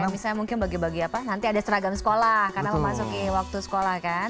misalnya mungkin bagi bagi apa nanti ada seragam sekolah karena memasuki waktu sekolah kan